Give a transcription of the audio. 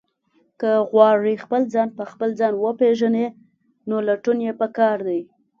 که غواړئ خپل ځان په خپل ځان وپېژنئ، نو لټون یې پکار دی.